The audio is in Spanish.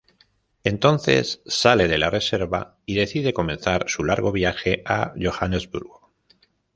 Entonces sale de la reserva y decide comenzar su largo viaje a Johannesburgo.